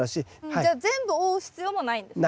じゃあ全部覆う必要もないんですね。